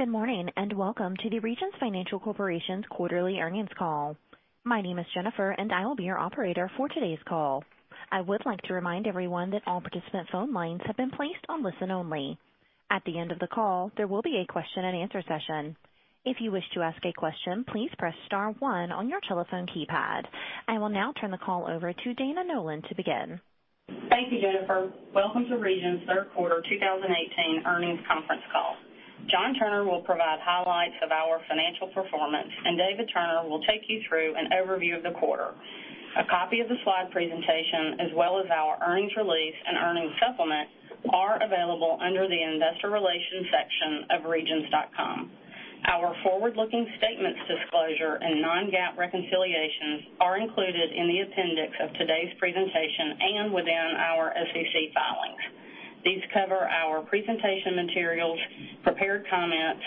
Good morning, welcome to the Regions Financial Corporation's quarterly earnings call. My name is Jennifer, I will be your operator for today's call. I would like to remind everyone that all participant phone lines have been placed on listen only. At the end of the call, there will be a question and answer session. If you wish to ask a question, please press star one on your telephone keypad. I will now turn the call over to Dana Nolan to begin. Thank you, Jennifer. Welcome to Regions' third quarter 2018 earnings conference call. John Turner will provide highlights of our financial performance, David Turner will take you through an overview of the quarter. A copy of the slide presentation, our earnings release and earnings supplement, are available under the investor relations section of regions.com. Our forward-looking statements disclosure and non-GAAP reconciliations are included in the appendix of today's presentation and within our SEC filings. These cover our presentation materials, prepared comments,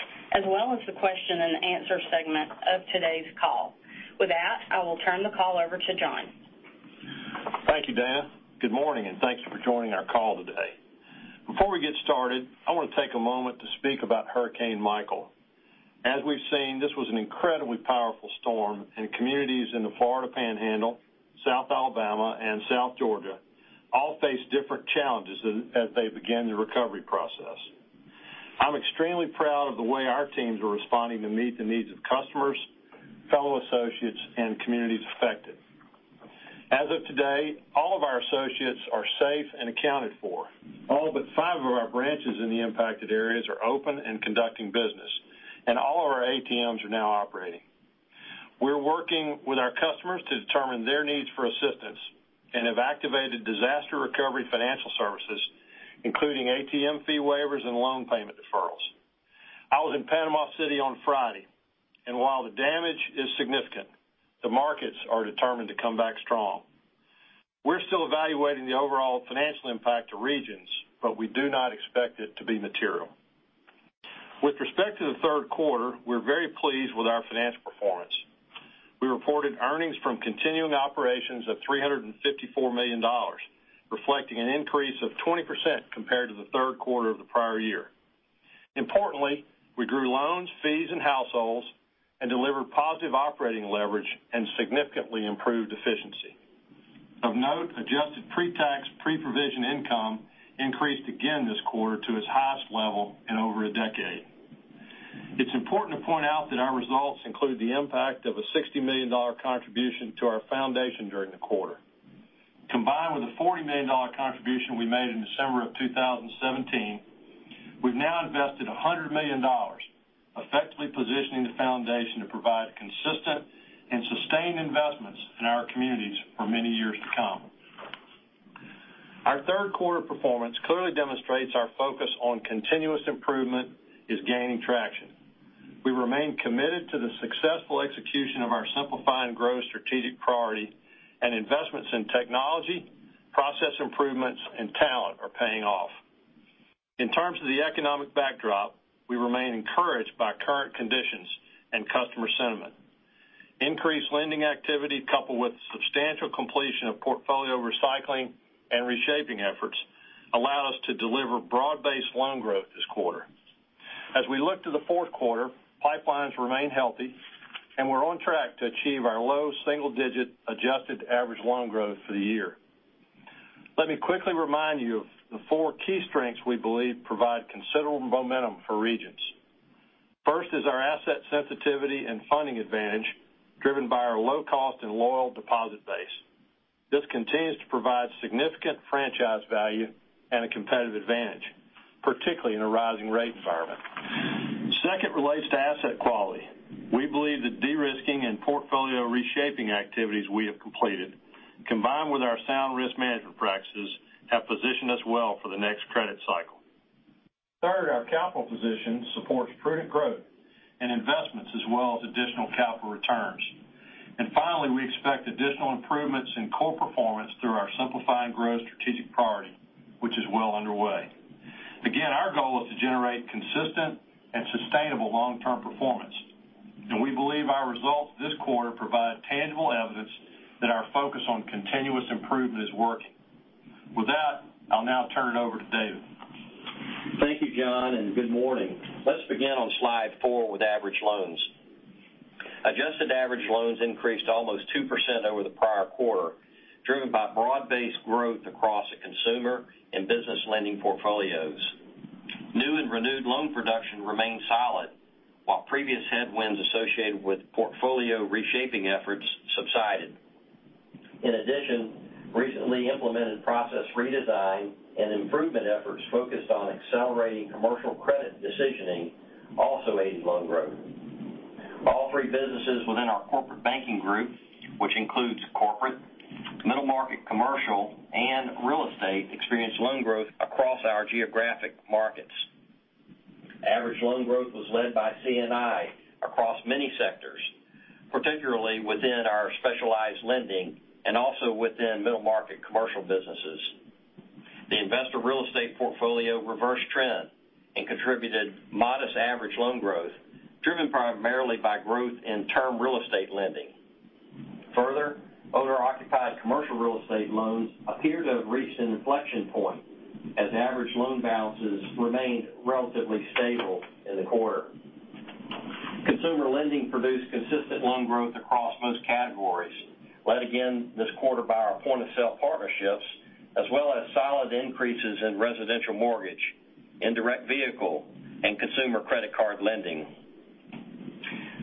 the question and answer segment of today's call. With that, I will turn the call over to John. Thank you, Dana. Good morning, thank you for joining our call today. Before we get started, I want to take a moment to speak about Hurricane Michael. As we've seen, this was an incredibly powerful storm, communities in the Florida Panhandle, South Alabama, South Georgia all face different challenges as they begin the recovery process. I'm extremely proud of the way our teams are responding to meet the needs of customers, fellow associates, communities affected. As of today, all of our associates are safe and accounted for. All but five of our branches in the impacted areas are open conducting business, all of our ATMs are now operating. We're working with our customers to determine their needs for assistance have activated disaster recovery financial services, including ATM fee waivers and loan payment deferrals. I was in Panama City on Friday, while the damage is significant, the markets are determined to come back strong. We're still evaluating the overall financial impact to Regions, we do not expect it to be material. With respect to the third quarter, we're very pleased with our financial performance. We reported earnings from continuing operations of $354 million, reflecting an increase of 20% compared to the third quarter of the prior year. Importantly, we grew loans, fees, households delivered positive operating leverage significantly improved efficiency. Of note, adjusted pre-tax, pre-provision income increased again this quarter to its highest level in over a decade. It's important to point out that our results include the impact of a $60 million contribution to our foundation during the quarter. Combined with a $40 million contribution we made in December of 2017, we have now invested $100 million, effectively positioning the foundation to provide consistent and sustained investments in our communities for many years to come. Our third quarter performance clearly demonstrates our focus on continuous improvement is gaining traction. We remain committed to the successful execution of our Simplify and Grow strategic priority and investments in technology, process improvements, and talent are paying off. In terms of the economic backdrop, we remain encouraged by current conditions and customer sentiment. Increased lending activity, coupled with substantial completion of portfolio recycling and reshaping efforts, allowed us to deliver broad-based loan growth this quarter. As we look to the fourth quarter, pipelines remain healthy, and we are on track to achieve our low single-digit adjusted average loan growth for the year. Let me quickly remind you of the four key strengths we believe provide considerable momentum for Regions. First is our asset sensitivity and funding advantage driven by our low cost and loyal deposit base. This continues to provide significant franchise value and a competitive advantage, particularly in a rising rate environment. Second relates to asset quality. We believe that de-risking and portfolio reshaping activities we have completed, combined with our sound risk management practices, have positioned us well for the next credit cycle. Third, our capital position supports prudent growth and investments as well as additional capital returns. Finally, we expect additional improvements in core performance through our Simplify and Grow strategic priority, which is well underway. Again, our goal is to generate consistent and sustainable long-term performance, and we believe our results this quarter provide tangible evidence that our focus on continuous improvement is working. With that, I will now turn it over to David. Thank you, John, and good morning. Let's begin on slide four with average loans. Adjusted average loans increased almost 2% over the prior quarter, driven by broad-based growth across the consumer and business lending portfolios. New and renewed loan production remained solid, while previous headwinds associated with portfolio reshaping efforts subsided. In addition, recently implemented process redesign and improvement efforts focused on accelerating commercial credit decisioning also aided loan growth. All three businesses within our corporate banking group, which includes corporate, middle market commercial, and real estate, experienced loan growth across our geographic markets. Average loan growth was led by C&I across many sectors, particularly within our specialized lending and also within middle market commercial businesses. The investor real estate portfolio reversed trend and contributed modest average loan growth, driven primarily by growth in term real estate lending. Further, owner-occupied commercial real estate loans appear to have reached an inflection point as average loan balances remained relatively stable in the quarter. Consumer lending produced consistent loan growth across most categories, led again this quarter by our point-of-sale partnerships, as well as solid increases in residential mortgage, indirect vehicle, and consumer credit card lending.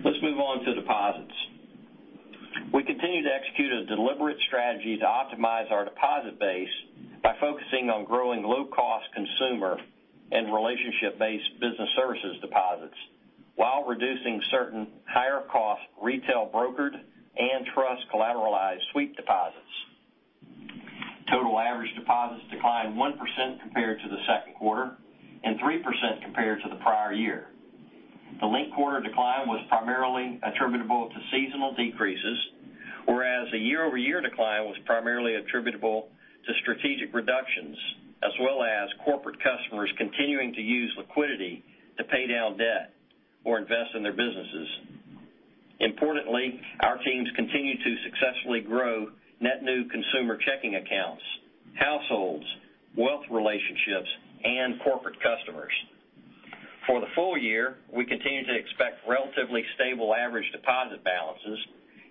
Let's move on to deposits. We continue to execute a deliberate strategy to optimize our deposit base by focusing on growing low-cost consumer and relationship-based business services deposits while reducing certain higher-cost retail brokered and trust collateralized sweep deposits. Total average deposits declined 1% compared to the second quarter and 3% compared to the prior year. The linked quarter decline was primarily attributable to seasonal decreases, whereas the year-over-year decline was primarily attributable to strategic reductions, as well as corporate customers continuing to use liquidity to pay down debt or invest in their businesses. Our teams continue to successfully grow net new consumer checking accounts, households, wealth relationships, and corporate customers. For the full year, we continue to expect relatively stable average deposit balances,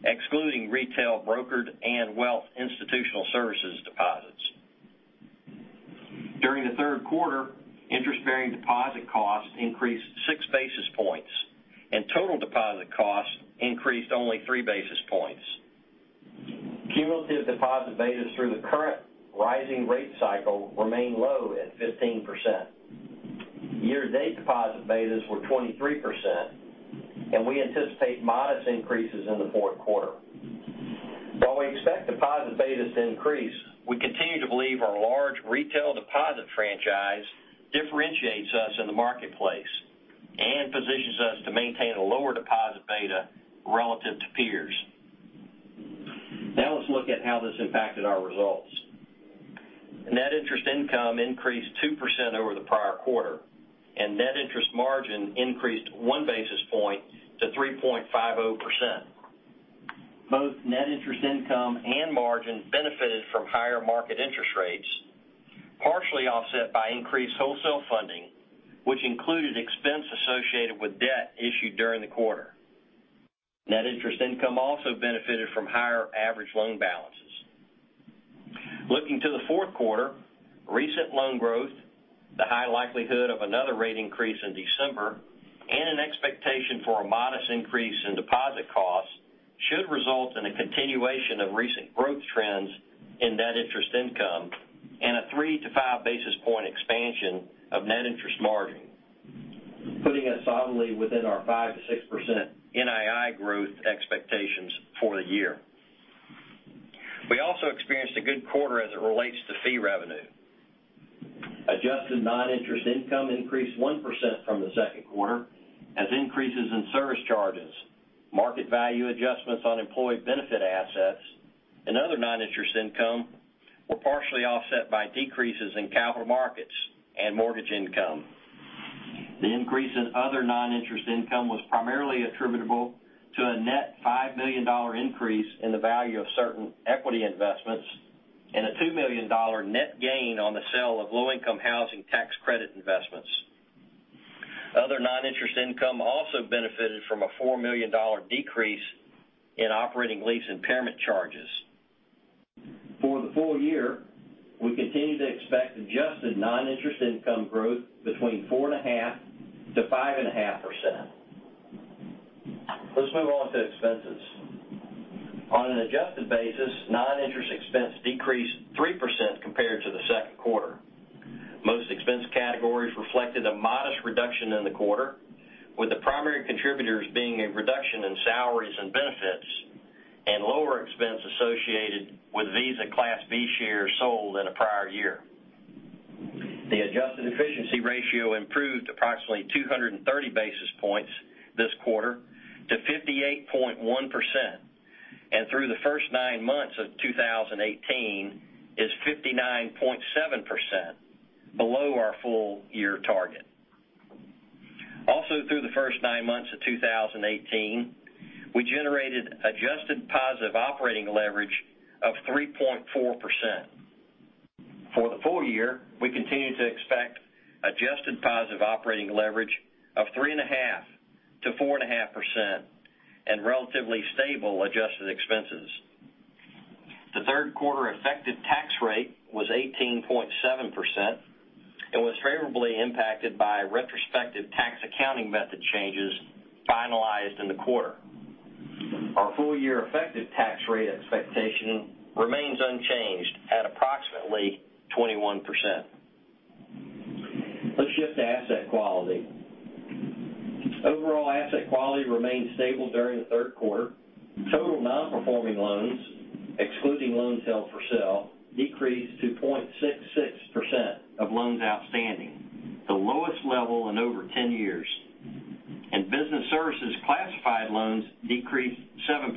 excluding retail brokered and wealth institutional services deposits. During the third quarter, interest-bearing deposit costs increased six basis points, and total deposit costs increased only three basis points. Cumulative deposit betas through the current rising rate cycle remain low at 15%. Year-to-date deposit betas were 23%, and we anticipate modest increases in the fourth quarter. While we expect deposit betas to increase, we continue to believe our large retail deposit franchise differentiates us in the marketplace and positions us to maintain a lower deposit beta relative to peers. Let's look at how this impacted our results. Net interest income increased 2% over the prior quarter, and net interest margin increased one basis point to 3.50%. Both net interest income and margin benefited from higher market interest rates, partially offset by increased wholesale funding, which included expense associated with debt issued during the quarter. Net interest income also benefited from higher average loan balances. Looking to the fourth quarter, recent loan growth, the high likelihood of another rate increase in December, and an expectation for a modest increase in deposit costs should result in a continuation of recent growth trends in net interest income and a three to five basis point expansion of net interest margin, putting us solidly within our 5%-6% NII growth expectations for the year. We also experienced a good quarter as it relates to fee revenue. Adjusted non-interest income increased 1% from the second quarter as increases in service charges, market value adjustments on employee benefit assets, and other non-interest income were partially offset by decreases in capital markets and mortgage income. The increase in other non-interest income was primarily attributable to a net $5 million increase in the value of certain equity investments and a $2 million net gain on the sale of Low-Income Housing Tax Credit investments. Other non-interest income also benefited from a $4 million decrease in operating lease impairment charges. For the full year, we continue to expect adjusted non-interest income growth between 4.5%-5.5%. Let's move on to expenses. On an adjusted basis, non-interest expense decreased 3% compared to the second quarter. Most expense categories reflected a modest reduction in the quarter, with the primary contributors being a reduction in Salaries and Benefits and lower expense associated with Visa Class B shares sold in a prior year. The adjusted efficiency ratio improved approximately 230 basis points this quarter to 58.1%, and through the first nine months of 2018 is 59.7%, below our full year target. Through the first nine months of 2018, we generated adjusted positive operating leverage of 3.4%. For the full year, we continue to expect adjusted positive operating leverage of 3.5%-4.5% and relatively stable adjusted expenses. The third quarter effective tax rate was 18.7% and was favorably impacted by retrospective tax accounting method changes finalized in the quarter. Our full year effective tax rate expectation remains unchanged at approximately 21%. Let's shift to asset quality. Overall asset quality remained stable during the third quarter. Total non-performing loans, excluding loans held for sale, decreased to 0.66% of loans outstanding, the lowest level in over 10 years. Business services classified loans decreased 7%.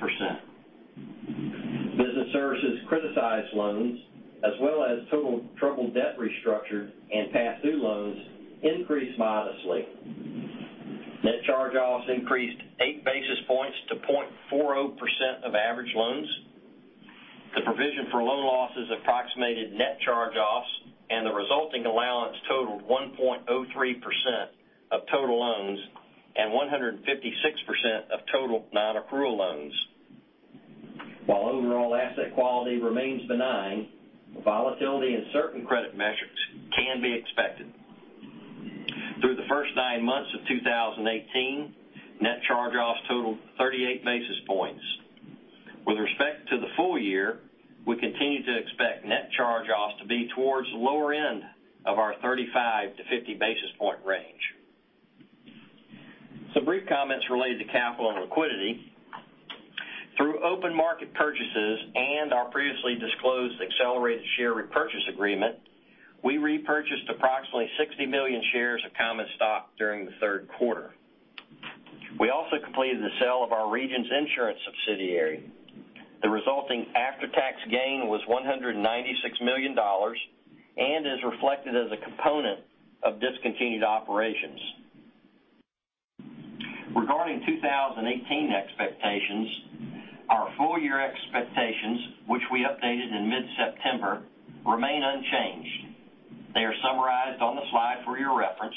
Business services criticized loans as well as total troubled debt restructured and past-due loans increased modestly. Net charge-offs increased eight basis points to 0.40% of average loans. The provision for loan losses approximated net charge-offs, and the resulting allowance totaled 1.03% of total loans and 156% of total non-accrual loans. Overall asset quality remains benign, volatility in certain credit metrics can be expected. Through the first nine months of 2018, net charge-offs totaled 38 basis points. With respect to the full year, we continue to expect net charge-offs to be towards the lower end of our 35-50 basis point range. Some brief comments related to capital and liquidity. Through open market purchases and our previously disclosed accelerated share repurchase agreement, we repurchased approximately 60 million shares of common stock during the third quarter. We also completed the sale of our Regions Insurance subsidiary. The resulting after-tax gain was $196 million and is reflected as a component of discontinued operations. Regarding 2018 expectations, our full-year expectations, which we updated in mid-September, remain unchanged. They are summarized on the slide for your reference.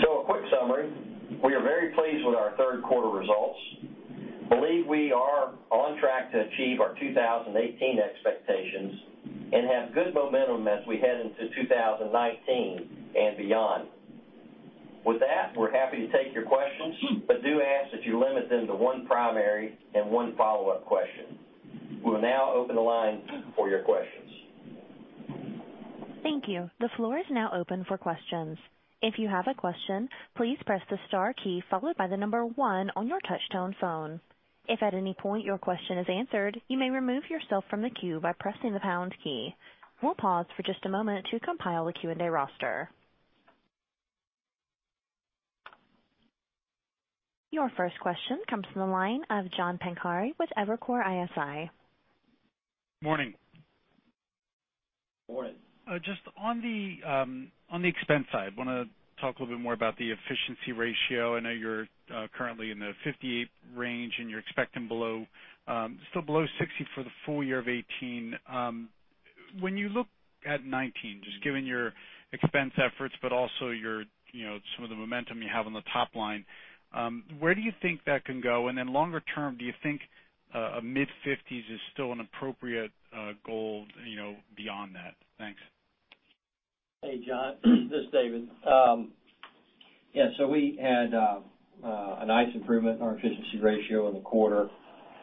A quick summary. We are very pleased with our third quarter results, believe we are on track to achieve our 2018 expectations, and have good momentum as we head into 2019 and beyond. With that, we're happy to take your questions, but do ask that you limit them to one primary and one follow-up question. We will now open the line for your questions. Thank you. The floor is now open for questions. If you have a question, please press the star key followed by the number one on your touch-tone phone. If at any point your question is answered, you may remove yourself from the queue by pressing the pound key. We'll pause for just a moment to compile a Q&A roster. Your first question comes from the line of John Pancari with Evercore ISI. Morning. Morning. On the expense side, I want to talk a little bit more about the efficiency ratio. I know you're currently in the 58 range and you're expecting below 60 for the full year of 2018. When you look at 2019, just given your expense efforts, but also some of the momentum you have on the top line, where do you think that can go? Longer term, do you think a mid-fifties is still an appropriate goal beyond that? Thanks. Hey, John, this is David. We had a nice improvement in our efficiency ratio in the quarter.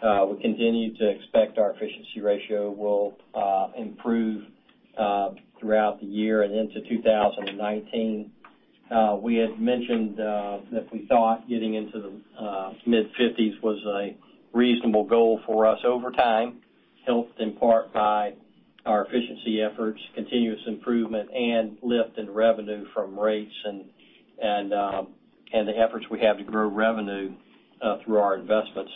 We continue to expect our efficiency ratio will improve throughout the year and into 2019. We had mentioned that we thought getting into the mid-fifties was a reasonable goal for us over time, helped in part by our efficiency efforts, continuous improvement, and lift in revenue from rates and the efforts we have to grow revenue through our investments.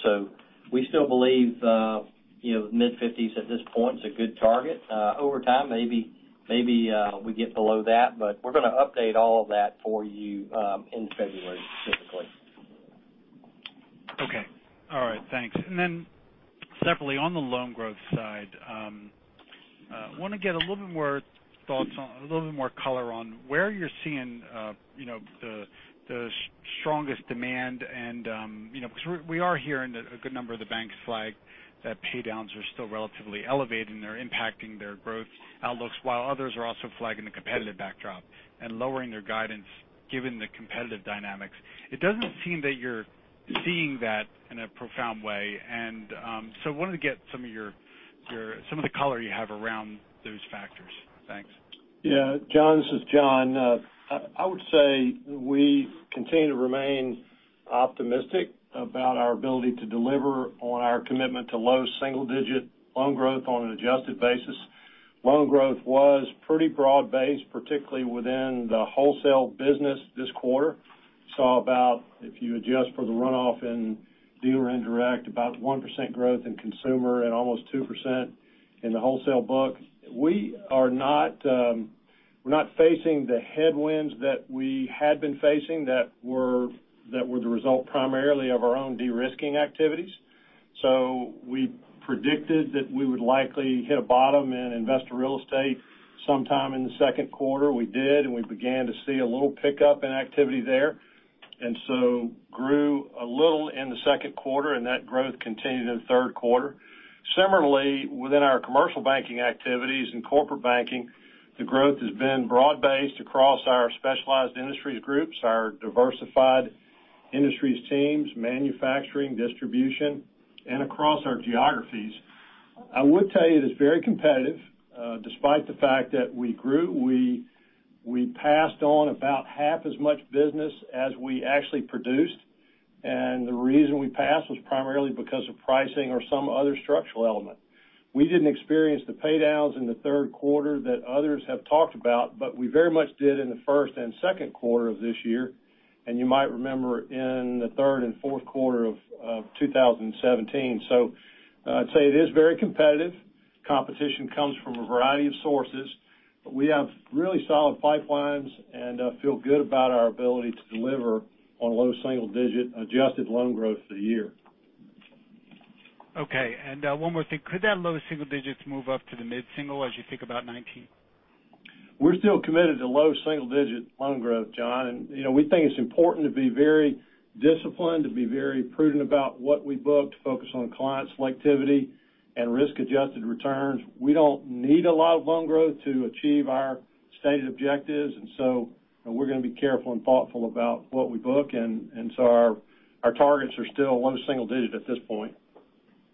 We still believe mid-fifties at this point is a good target. Over time, maybe we get below that, we're going to update all of that for you in February, typically. Okay. All right. Thanks. Separately, on the loan growth side, I want to get a little bit more thoughts on, a little bit more color on where you're seeing the strongest demand because we are hearing that a good number of the banks flag that paydowns are still relatively elevated, and they're impacting their growth outlooks, while others are also flagging the competitive backdrop and lowering their guidance given the competitive dynamics. It doesn't seem that you're seeing that in a profound way. I wanted to get some of the color you have around those factors. Thanks. John, this is John. I would say we continue to remain optimistic about our ability to deliver on our commitment to low single-digit loan growth on an adjusted basis. Loan growth was pretty broad-based, particularly within the wholesale business this quarter. Saw about, if you adjust for the runoff in dealer indirect, about 1% growth in consumer and almost 2% in the wholesale book. We're not facing the headwinds that we had been facing that were the result primarily of our own de-risking activities. We predicted that we would likely hit a bottom in investor real estate sometime in the second quarter. We did. We began to see a little pickup in activity there. We grew a little in the second quarter, and that growth continued in the third quarter. Similarly, within our commercial banking activities and corporate banking, the growth has been broad-based across our specialized industries groups, our diversified industries teams, manufacturing, distribution, and across our geographies. I would tell you it is very competitive. Despite the fact that we grew, we passed on about half as much business as we actually produced, and the reason we passed was primarily because of pricing or some other structural element. We didn't experience the paydowns in the third quarter that others have talked about, but we very much did in the first and second quarter of this year, and you might remember in the third and fourth quarter of 2017. I'd say it is very competitive. Competition comes from a variety of sources, but we have really solid pipelines and feel good about our ability to deliver on low single digit adjusted loan growth for the year. Okay. One more thing. Could that low single digits move up to the mid-single as you think about 2019? We're still committed to low single digit loan growth, John. We think it's important to be very disciplined, to be very prudent about what we book, to focus on client selectivity and risk-adjusted returns. We don't need a lot of loan growth to achieve our stated objectives. We're going to be careful and thoughtful about what we book. Our targets are still low single digit at this point.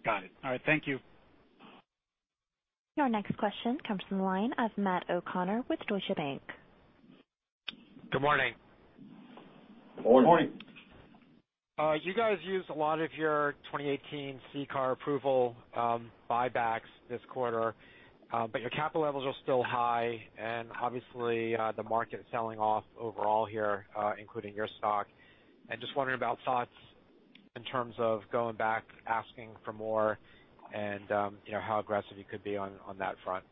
Got it. All right. Thank you. Your next question comes from the line of Matthew O'Connor with Deutsche Bank. Good morning. Morning. Morning. You guys used a lot of your 2018 CCAR approval buybacks this quarter, but your capital levels are still high, and obviously, the market is selling off overall here, including your stock. I just wondering about thoughts in terms of going back, asking for more and how aggressive you could be on that front.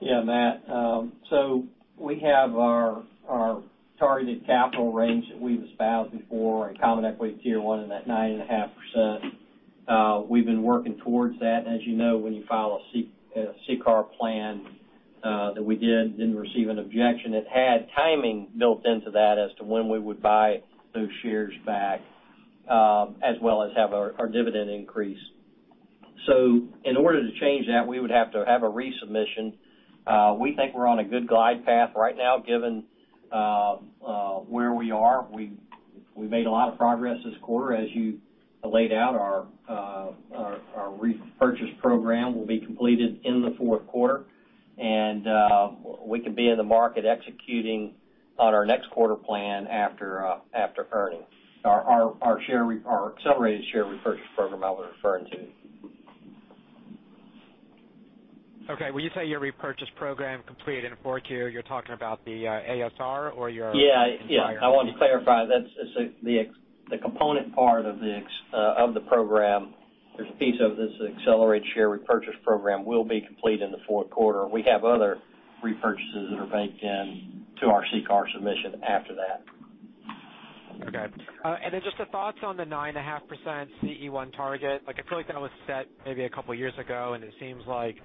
Yeah, Matt. We have our targeted capital range that we've espoused before in Common Equity Tier 1 in that 9.5%. We've been working towards that. As you know, when you file a CCAR plan that we did, didn't receive an objection. It had timing built into that as to when we would buy those shares back as well as have our dividend increase. In order to change that, we would have to have a resubmission. We think we're on a good glide path right now, given where we are. We made a lot of progress this quarter. As you laid out, our repurchase program will be completed in the fourth quarter, and we can be in the market executing on our next quarter plan after earnings. Our accelerated share repurchase program I was referring to. Okay. When you say your repurchase program completed in fourth quarter, you're talking about the ASR or your? Yeah. I wanted to clarify, that's the component part of the program. There's a piece of this accelerated share repurchase program will be complete in the fourth quarter. We have other repurchases that are baked in to our CCAR submission after that. Okay. Just the thoughts on the 9.5% CET1 target. I feel like that was set maybe a couple of years ago, and it seems like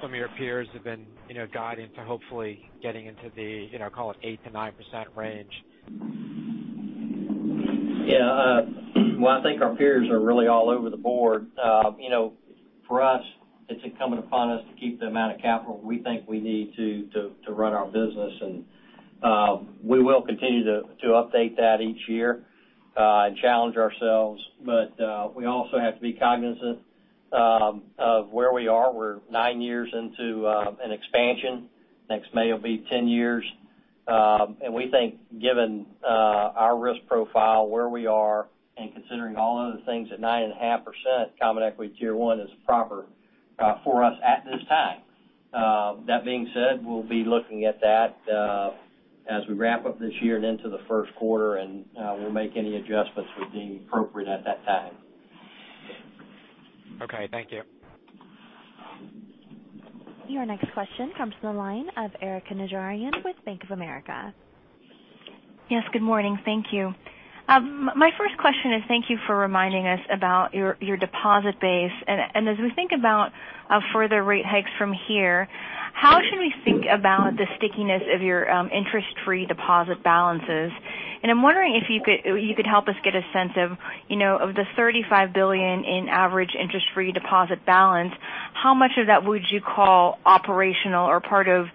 some of your peers have been guiding to hopefully getting into the, call it, 8%-9% range. Yeah. Well, I think our peers are really all over the board. For us, it's incumbent upon us to keep the amount of capital we think we need to run our business, and we will continue to update that each year and challenge ourselves. We also have to be cognizant of where we are. We're nine years into an expansion. Next May will be 10 years. We think given our risk profile, where we are, and considering all of the things at 9.5% Common Equity Tier 1 is proper for us at this time. That being said, we'll be looking at that as we wrap up this year and into the first quarter, and we'll make any adjustments we deem appropriate at that time. Okay. Thank you. Your next question comes from the line of Erika Najarian with Bank of America. Yes, good morning. Thank you. My first question is thank you for reminding us about your deposit base. As we think about further rate hikes from here, how should we think about the stickiness of your interest-free deposit balances? I'm wondering if you could help us get a sense of the $35 billion in average interest-free deposit balance, how much of that would you call operational or part of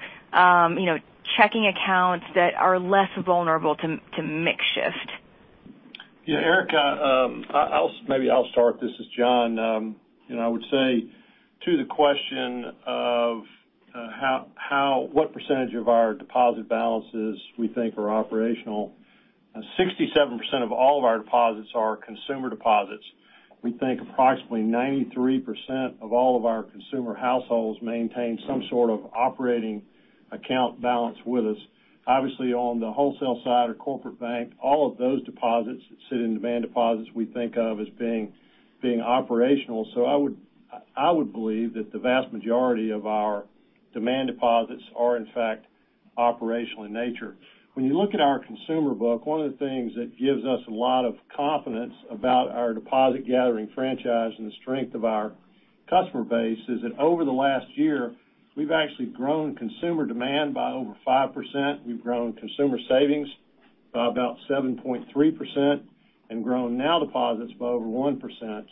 checking accounts that are less vulnerable to mix shift? Yeah, Erika, maybe I'll start this. It's John. I would say to the question of what percentage of our deposit balances we think are operational, 67% of all of our deposits are consumer deposits. We think approximately 93% of all of our consumer households maintain some sort of operating account balance with us. Obviously, on the wholesale side or corporate bank, all of those deposits that sit in demand deposits we think of as being operational. I would believe that the vast majority of our demand deposits are, in fact, operational in nature. When you look at our consumer book, one of the things that gives us a lot of confidence about our deposit gathering franchise and the strength of our customer base is that over the last year, we've actually grown consumer demand by over 5%. We've grown consumer savings by about 7.3% and grown now deposits by over 1%.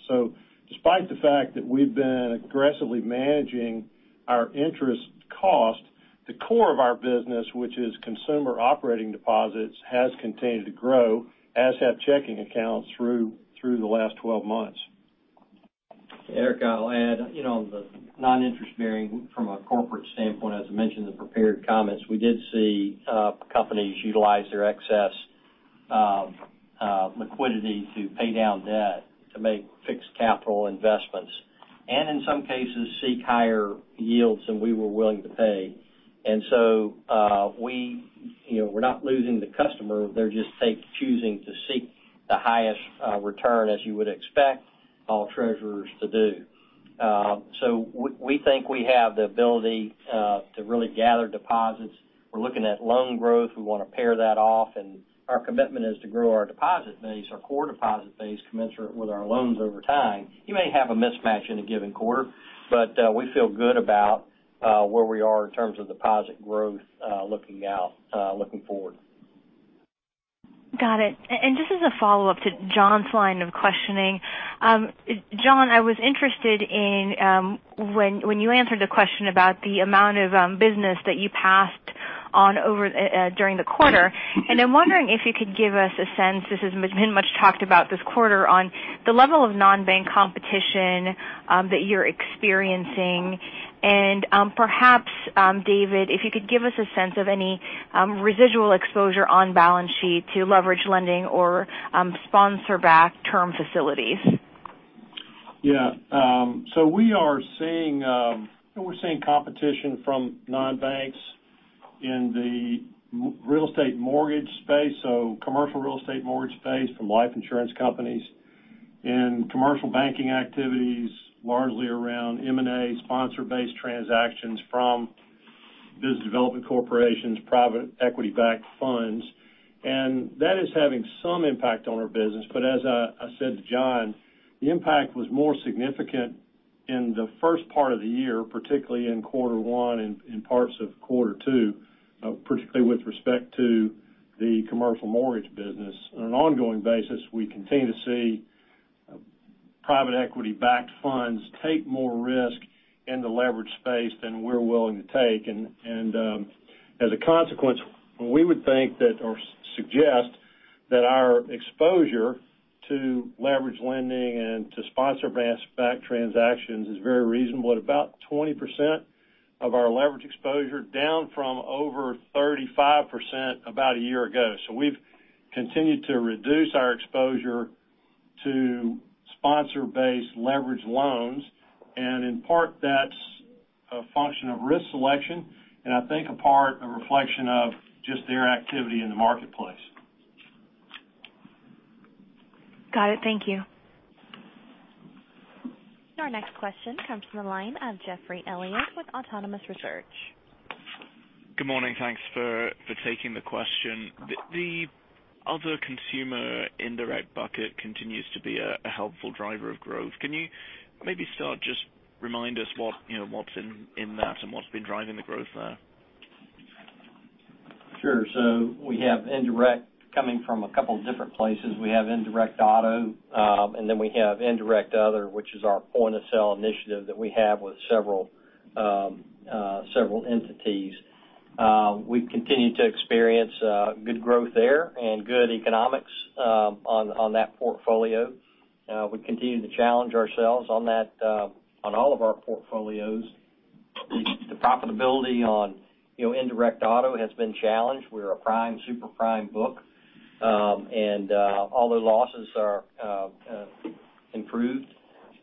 Despite the fact that we've been aggressively managing our interest cost, the core of our business, which is consumer operating deposits, has continued to grow, as have checking accounts through the last 12 months. Erika, I'll add, the non-interest bearing from a corporate standpoint, as I mentioned in the prepared comments, we did see companies utilize their excess liquidity to pay down debt to make fixed capital investments and in some cases, seek higher yields than we were willing to pay. We're not losing the customer, they're just choosing to seek the highest return, as you would expect all treasurers to do. We think we have the ability to really gather deposits. We're looking at loan growth. We want to pair that off, and our commitment is to grow our deposit base, our core deposit base, commensurate with our loans over time. You may have a mismatch in a given quarter, but we feel good about where we are in terms of deposit growth looking forward. Got it. Just as a follow-up to John's line of questioning. John, I was interested in when you answered the question about the amount of business that you passed on during the quarter. I'm wondering if you could give us a sense, this has been much talked about this quarter, on the level of non-bank competition that you're experiencing. Perhaps, David, if you could give us a sense of any residual exposure on balance sheet to leverage lending or sponsor-backed term facilities. We're seeing competition from non-banks in the real estate mortgage space, so commercial real estate mortgage space from life insurance companies. In commercial banking activities, largely around M&A sponsor-based transactions from business development corporations, private equity-backed funds. That is having some impact on our business. As I said to John, the impact was more significant in the first part of the year, particularly in quarter one and in parts of quarter two, particularly with respect to the commercial mortgage business. On an ongoing basis, we continue to see private equity-backed funds take more risk in the leverage space than we're willing to take. As a consequence, we would think that or suggest that our exposure to leverage lending and to sponsor-based backed transactions is very reasonable at about 20% of our leverage exposure, down from over 35% about a year ago. We've continued to reduce our exposure to sponsor-based leverage loans, and in part, that's a function of risk selection and I think a part, a reflection of just their activity in the marketplace. Got it. Thank you. Our next question comes from the line of Geoffrey Elliott with Autonomous Research. Good morning. Thanks for taking the question. The other consumer indirect bucket continues to be a helpful driver of growth. Can you maybe just remind us what's in that and what's been driving the growth there? Sure. We have indirect coming from a couple of different places. We have indirect auto, and then we have indirect other, which is our point-of-sale initiative that we have with several entities. We've continued to experience good growth there and good economics on that portfolio. We continue to challenge ourselves on all of our portfolios. The profitability on indirect auto has been challenged. We're a prime, super-prime book, and although losses are improved,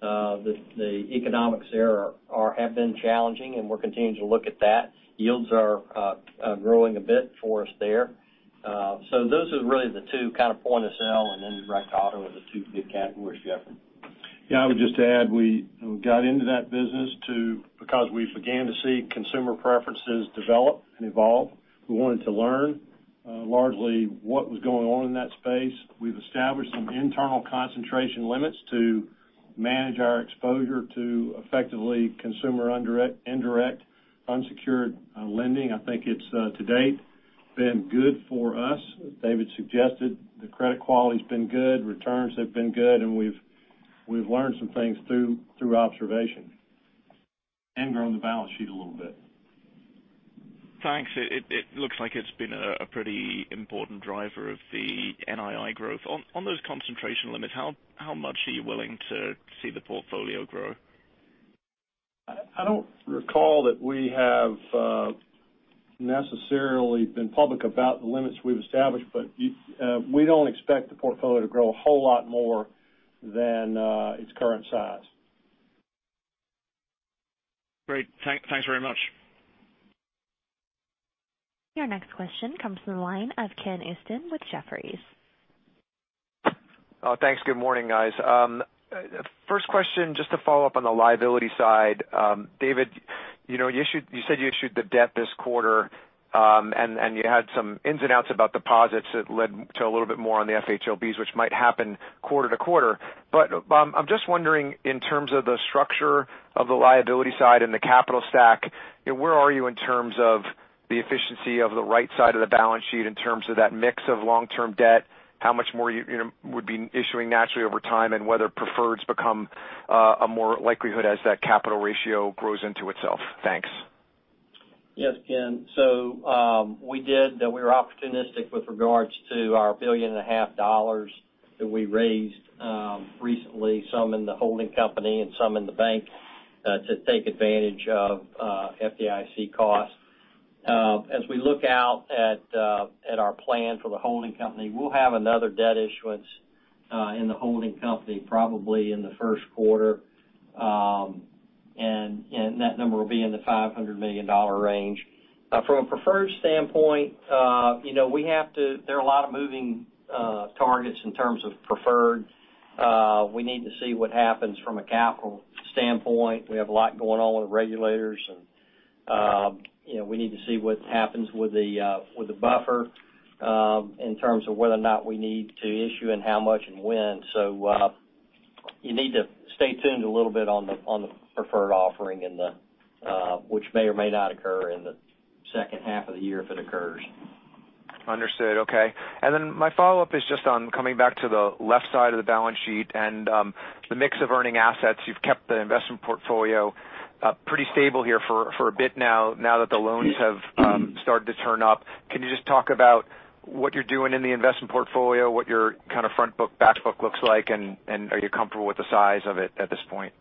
the economics there have been challenging, and we're continuing to look at that. Yields are growing a bit for us there. Those are really the two kind of point-of-sale and indirect auto are the two big categories, Geoffrey. Yeah, I would just add, we got into that business because we began to see consumer preferences develop and evolve. We wanted to learn largely what was going on in that space. We've established some internal concentration limits to manage our exposure to effectively consumer indirect unsecured lending. I think it's, to date, been good for us. As David suggested, the credit quality's been good, returns have been good, and we've learned some things through observation. Grown the balance sheet a little bit. Thanks. It looks like it's been a pretty important driver of the NII growth. On those concentration limits, how much are you willing to see the portfolio grow? I don't recall that we have necessarily been public about the limits we've established, but we don't expect the portfolio to grow a whole lot more than its current size. Great. Thanks very much. Your next question comes from the line of Ken Usdin with Jefferies. Thanks. Good morning, guys. First question, just to follow up on the liability side. David, you said you issued the debt this quarter, and you had some ins and outs about deposits that led to a little bit more on the FHLBs, which might happen quarter to quarter. I'm just wondering, in terms of the structure of the liability side and the capital stack, where are you in terms of the efficiency of the right side of the balance sheet in terms of that mix of long-term debt, how much more you would be issuing naturally over time, and whether preferreds become a more likelihood as that capital ratio grows into itself? Thanks. Yes, Ken. We were opportunistic with regards to our $1.5 billion that we raised recently, some in the holding company and some in the bank, to take advantage of FDIC costs. As we look out at our plan for the holding company, we'll have another debt issuance in the holding company probably in the first quarter. That number will be in the $500 million range. From a preferred standpoint, there are a lot of moving targets in terms of preferred. We need to see what happens from a capital standpoint. We have a lot going on with regulators, and we need to see what happens with the buffer in terms of whether or not we need to issue and how much and when. You need to stay tuned a little bit on the preferred offering which may or may not occur in the second half of the year if it occurs. Understood. Okay. My follow-up is just on coming back to the left side of the balance sheet and the mix of earning assets. You've kept the investment portfolio pretty stable here for a bit now that the loans have started to turn up. Can you just talk about what you're doing in the investment portfolio, what your kind of front book, back book looks like, and are you comfortable with the size of it at this point?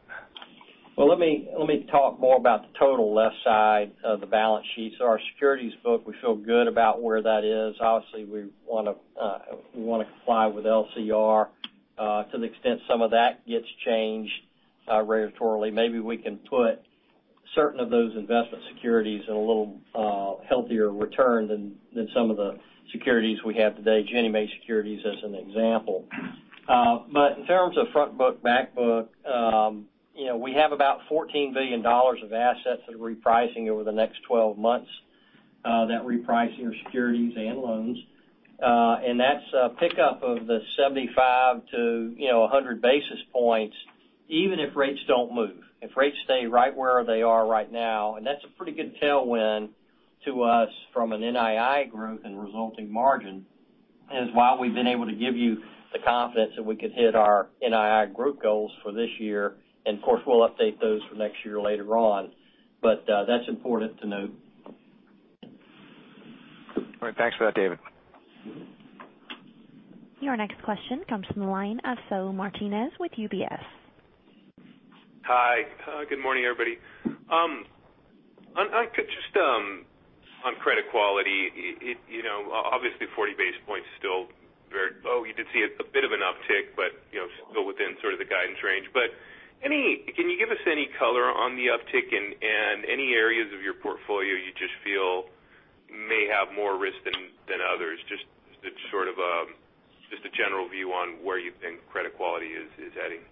Well, let me talk more about the total left side of the balance sheet. Our securities book, we feel good about where that is. Obviously, we want to comply with LCR. To the extent some of that gets changed regulatorily, maybe we can put certain of those investment securities in a little healthier return than some of the securities we have today, Ginnie Mae securities as an example. In terms of front book, back book, we have about $14 billion of assets that are repricing over the next 12 months. That repricing are securities and loans. That's a pickup of the 75 to 100 basis points even if rates don't move, if rates stay right where they are right now, and that's a pretty good tailwind to us from an NII growth and resulting margin is why we've been able to give you the confidence that we could hit our NII growth goals for this year. Of course, we'll update those for next year later on. That's important to note. All right. Thanks for that, David. Your next question comes from the line of Saul Martinez with UBS. Hi. Good morning, everybody. On credit quality, obviously 40 basis points still very low. You did see a bit of an uptick, but still within sort of the guidance range. Can you give us any color on the uptick and any areas of your portfolio you just feel may have more risk than others, just a general view on where you think credit quality is heading?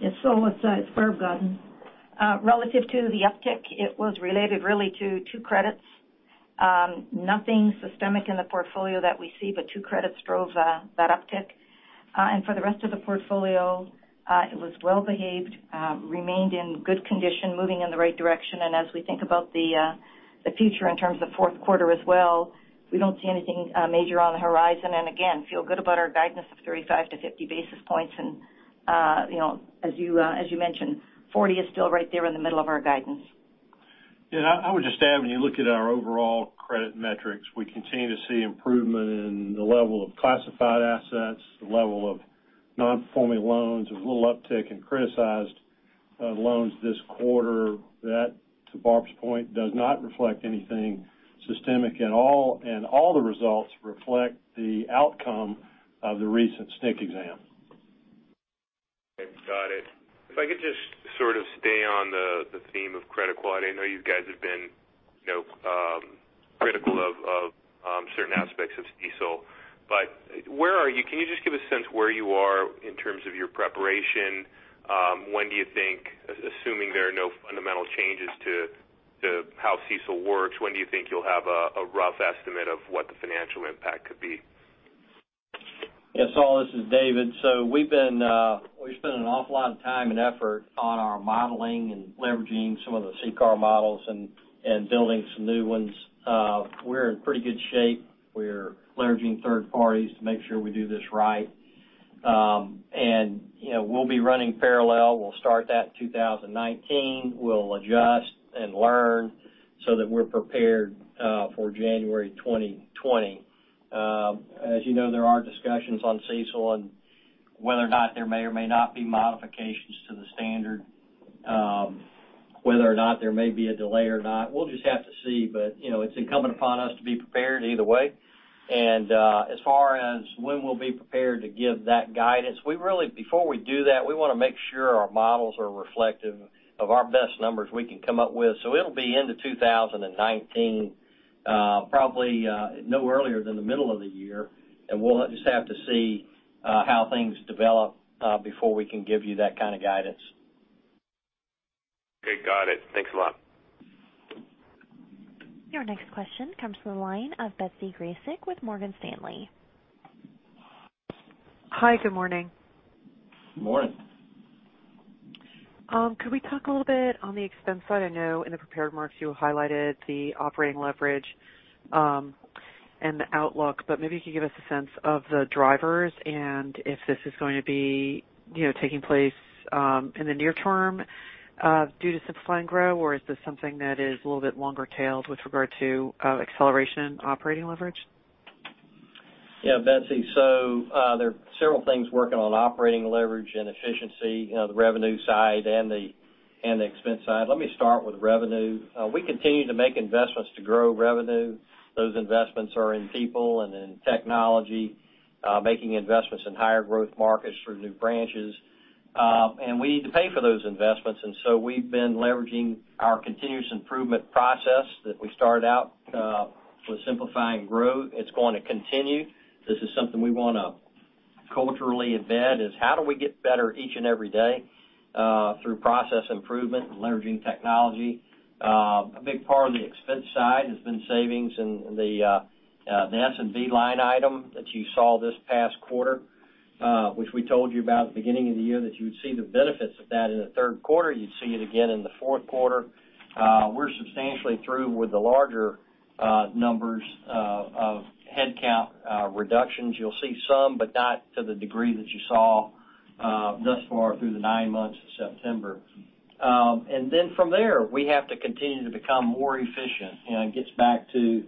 Yes, Saul, it's Barb Godin. Relative to the uptick, it was related really to two credits. Nothing systemic in the portfolio that we see, but two credits drove that uptick. For the rest of the portfolio, it was well-behaved, remained in good condition, moving in the right direction. As we think about the future in terms of fourth quarter as well, we don't see anything major on the horizon, and again, feel good about our guidance of 35-50 basis points. As you mentioned, 40 is still right there in the middle of our guidance. Yeah, I would just add, when you look at our overall credit metrics, we continue to see improvement in the level of classified assets, the level of non-performing loans. There's a little uptick in criticized loans this quarter that, to Barb's point, does not reflect anything systemic at all. All the results reflect the outcome of the recent CCAR exam. Got it. If I could just sort of stay on the theme of credit quality. I know you guys have been critical of certain aspects of CECL, can you just give a sense where you are in terms of your preparation? When do you think, assuming there are no fundamental changes to how CECL works, when do you think you'll have a rough estimate of what the financial impact could be? Yeah, Saul, this is David. We've spent an awful lot of time and effort on our modeling and leveraging some of the CCAR models and building some new ones. We're in pretty good shape. We're leveraging third parties to make sure we do this right. We'll be running parallel. We'll start that in 2019. We'll adjust and learn so that we're prepared for January 2020. As you know, there are discussions on CECL and whether or not there may or may not be modifications to the standard, whether or not there may be a delay or not. We'll just have to see, it's incumbent upon us to be prepared either way. As far as when we'll be prepared to give that guidance, before we do that, we want to make sure our models are reflective of our best numbers we can come up with. It'll be into 2019 probably no earlier than the middle of the year, and we'll just have to see how things develop before we can give you that kind of guidance. Okay, got it. Thanks a lot. Your next question comes from the line of Betsy Graseck with Morgan Stanley. Hi, good morning. Good morning. Could we talk a little bit on the expense side? I know in the prepared remarks, you highlighted the operating leverage and the outlook, Maybe you could give us a sense of the drivers and if this is going to be taking place in the near term due to Simplify and Grow, or is this something that is a little bit longer-tailed with regard to acceleration operating leverage? Betsy, There are several things working on operating leverage and efficiency, the revenue side and the expense side. Let me start with revenue. We continue to make investments to grow revenue. Those investments are in people and in technology, making investments in higher growth markets through new branches. We need to pay for those investments. We've been leveraging our continuous improvement process that we started out with Simplify and Grow. It's going to continue. This is something we want to culturally embed, is how do we get better each and every day through process improvement and leveraging technology. A big part of the expense side has been savings in the S&B line item that you saw this past quarter, which we told you about at the beginning of the year, that you would see the benefits of that in the third quarter, you'd see it again in the fourth quarter. We're substantially through with the larger numbers of headcount reductions. You'll see some, but not to the degree that you saw thus far through the nine months of September. From there, we have to continue to become more efficient. It gets back to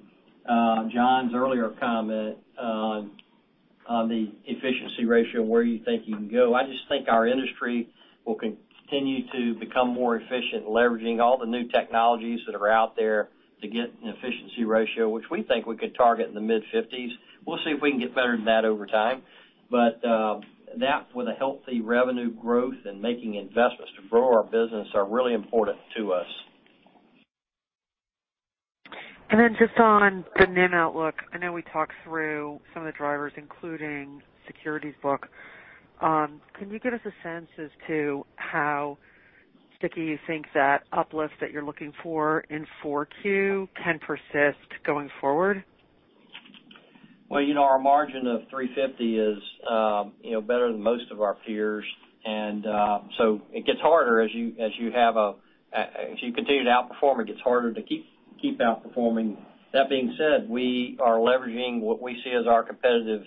John's earlier comment on the efficiency ratio and where you think you can go. I just think our industry will continue to become more efficient, leveraging all the new technologies that are out there to get an efficiency ratio, which we think we could target in the mid-50s. We'll see if we can get better than that over time. That with a healthy revenue growth and making investments to grow our business are really important to us. Just on the NIM outlook, I know we talked through some of the drivers, including securities book. Can you give us a sense as to how sticky you think that uplift that you're looking for in 4Q can persist going forward? Our margin of 350 is better than most of our peers. It gets harder as you continue to outperform, it gets harder to keep outperforming. That being said, we are leveraging what we see as our competitive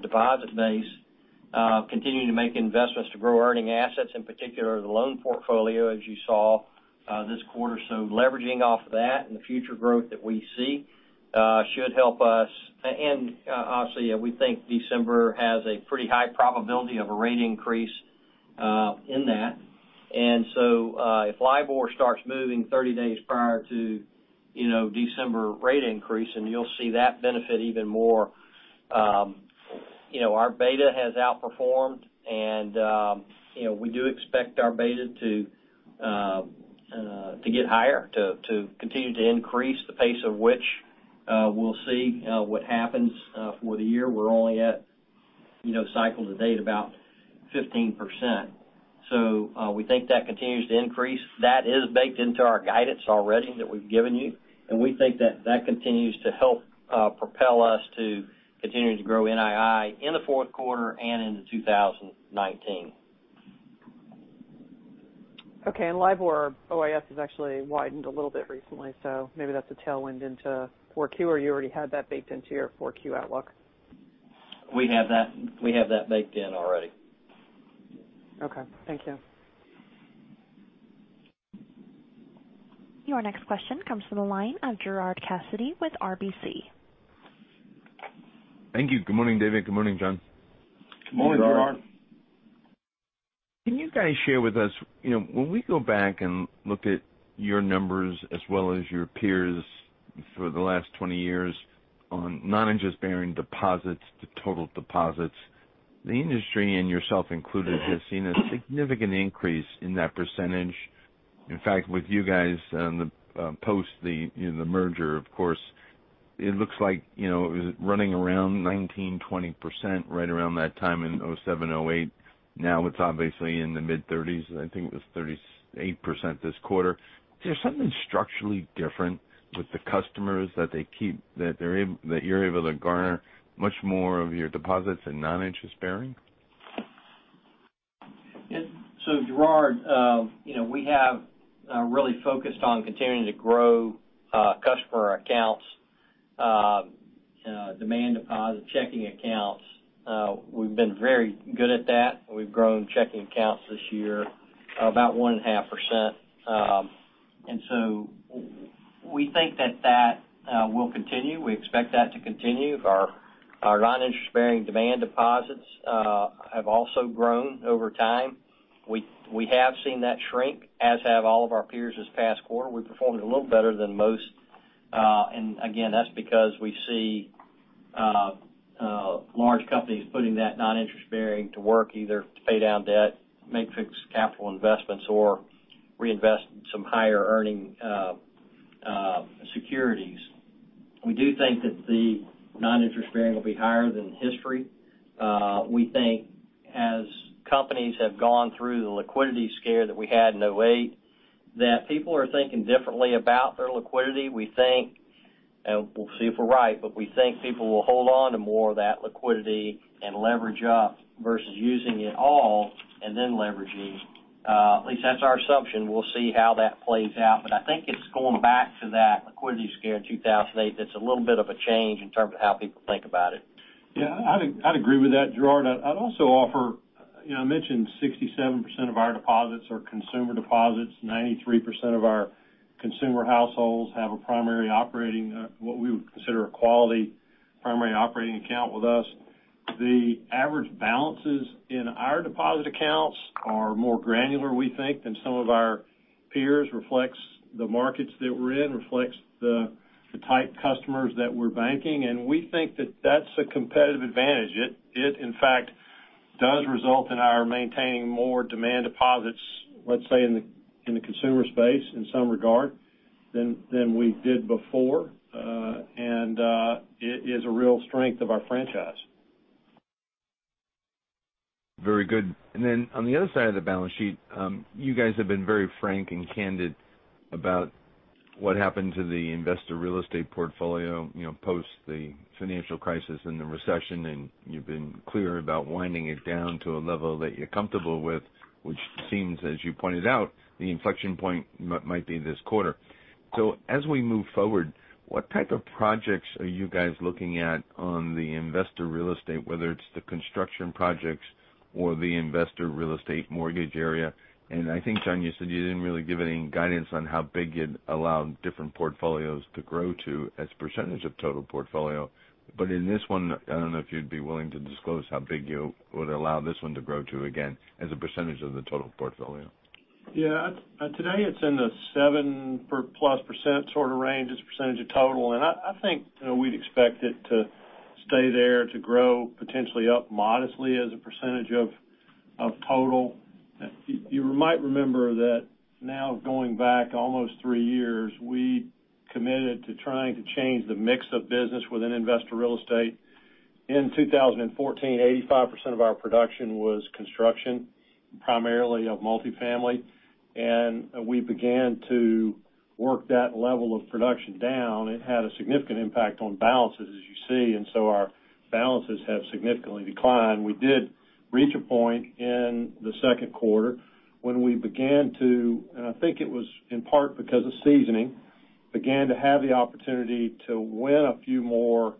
deposit base, continuing to make investments to grow earning assets, in particular the loan portfolio, as you saw this quarter. Leveraging off of that and the future growth that we see should help us. Obviously, we think December has a pretty high probability of a rate increase in that. If LIBOR starts moving 30 days prior to December rate increase, you'll see that benefit even more. Our beta has outperformed and we do expect our beta to get higher, to continue to increase the pace of which we'll see what happens for the year. We're only at cycle to date about 15%. We think that continues to increase. That is baked into our guidance already that we've given you, and we think that that continues to help propel us to continuing to grow NII in the fourth quarter and into 2019. Okay, LIBOR-OIS has actually widened a little bit recently, maybe that's a tailwind into four-Q, or you already had that baked into your four-Q outlook. We have that baked in already. Okay, thank you. Your next question comes from the line of Gerard Cassidy with RBC. Thank you. Good morning, David. Good morning, John. Good morning, Gerard. Good morning. Can you guys share with us, when we go back and look at your numbers as well as your peers for the last 20 years on non-interest bearing deposits to total deposits, the industry and yourself included, has seen a significant increase in that percentage. In fact, with you guys on the post the merger, of course, it looks like it was running around 19%, 20% right around that time in 2007, 2008. Now it's obviously in the mid-30s. I think it was 38% this quarter. Is there something structurally different with the customers that you're able to garner much more of your deposits in non-interest bearing? Gerard, we have really focused on continuing to grow customer accounts, demand deposit checking accounts. We've been very good at that. We've grown checking accounts this year about 1.5%. We think that that will continue. We expect that to continue. Our non-interest bearing demand deposits have also grown over time. We have seen that shrink, as have all of our peers this past quarter. We performed a little better than most. Again, that's because we see large companies putting that non-interest bearing to work, either to pay down debt, make fixed capital investments, or reinvest in some higher earning securities. We do think that the non-interest bearing will be higher than history. We think as companies have gone through the liquidity scare that we had in 2008, that people are thinking differently about their liquidity. We think, and we'll see if we're right, but we think people will hold on to more of that liquidity and leverage up versus using it all and then leveraging. At least that's our assumption. We'll see how that plays out. I think it's going back to that liquidity scare in 2008 that's a little bit of a change in terms of how people think about it. Yeah, I'd agree with that, Gerard. I'd also offer, I mentioned 67% of our deposits are consumer deposits. 93% of our consumer households have a primary operating what we would consider a quality primary operating account with us. The average balances in our deposit accounts are more granular, we think, than some of our peers, reflects the markets that we're in, reflects the type of customers that we're banking. We think that that's a competitive advantage. It, in fact, does result in our maintaining more demand deposits, let's say, in the consumer space in some regard than we did before. It is a real strength of our franchise. Very good. On the other side of the balance sheet, you guys have been very frank and candid about what happened to the investor real estate portfolio post the financial crisis and the recession, you've been clear about winding it down to a level that you're comfortable with, which seems, as you pointed out, the inflection point might be this quarter. As we move forward, what type of projects are you guys looking at on the investor real estate, whether it's the construction projects or the investor real estate mortgage area? I think, John, you said you didn't really give any guidance on how big you'd allow different portfolios to grow to as a percentage of total portfolio. In this one, I don't know if you'd be willing to disclose how big you would allow this one to grow to again as a percentage of the total portfolio. Yeah. Today it's in the 7-plus% sort of range as a percentage of total. I think we'd expect it to stay there to grow potentially up modestly as a percentage of total. You might remember that now going back almost three years, we committed to trying to change the mix of business within investor real estate. In 2014, 85% of our production was construction, primarily of multifamily, we began to work that level of production down. It had a significant impact on balances, as you see. Our balances have significantly declined. We did reach a point in the second quarter when we began to, I think it was in part because of seasoning, began to have the opportunity to win a few more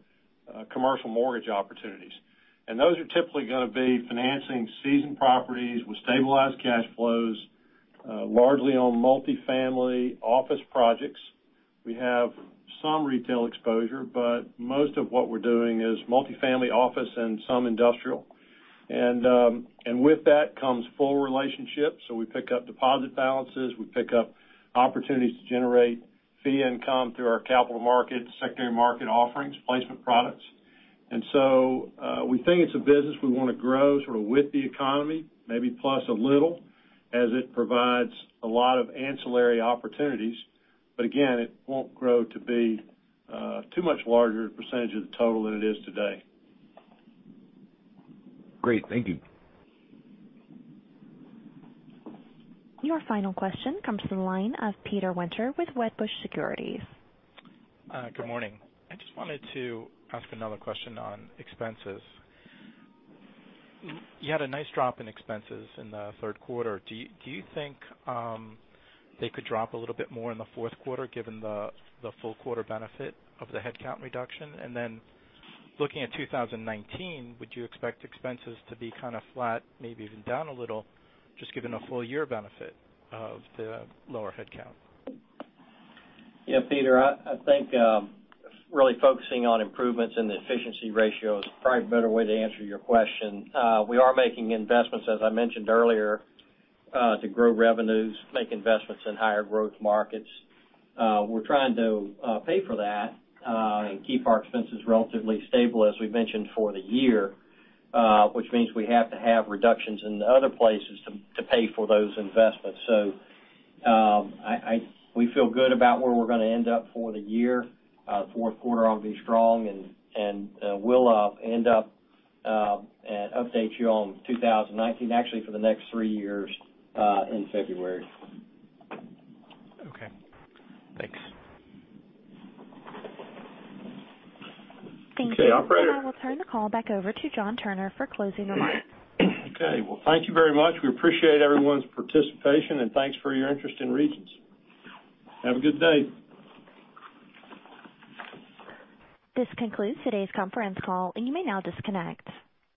commercial mortgage opportunities. Those are typically going to be financing seasoned properties with stabilized cash flows, largely on multifamily office projects. We have some retail exposure, but most of what we're doing is multifamily office and some industrial. With that comes full relationships. We pick up deposit balances. We pick up opportunities to generate fee income through our capital markets, secondary market offerings, placement products. We think it's a business we want to grow sort of with the economy, maybe plus a little, as it provides a lot of ancillary opportunities. Again, it won't grow to be too much larger percentage of the total than it is today. Great. Thank you. Your final question comes from the line of Peter Winter with Wedbush Securities. Good morning. I just wanted to ask another question on expenses. You had a nice drop in expenses in the third quarter. Do you think they could drop a little bit more in the fourth quarter given the full quarter benefit of the headcount reduction? Looking at 2019, would you expect expenses to be kind of flat, maybe even down a little, just given a full year benefit of the lower headcount? Yeah, Peter, I think really focusing on improvements in the efficiency ratio is probably a better way to answer your question. We are making investments, as I mentioned earlier, to grow revenues, make investments in higher growth markets. We're trying to pay for that and keep our expenses relatively stable as we mentioned for the year, which means we have to have reductions in other places to pay for those investments. We feel good about where we're going to end up for the year. Fourth quarter ought to be strong, and we'll end up and update you on 2019, actually for the next three years, in February. Okay. Thanks. Thank you. Okay, Operator. I will turn the call back over to John Turner for closing remarks. Okay. Well, thank you very much. We appreciate everyone's participation, and thanks for your interest in Regions. Have a good day. This concludes today's conference call. You may now disconnect.